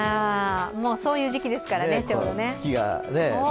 もうそういう時期ですからね。